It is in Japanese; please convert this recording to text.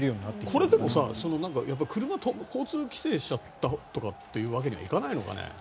これでも車、交通規制しちゃったりとかってわけにはいかないのかね。